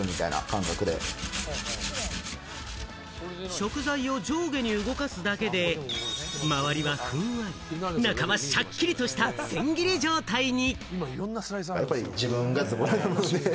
食材を上下に動かすだけで、周りはふんわり、中はしゃっきりとした千切り状態に。